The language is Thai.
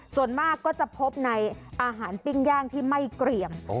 ส่วนมากก็จะพบในอาหารปิ้งย่างที่ไม่เกรียม